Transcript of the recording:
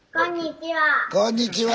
こんにちは！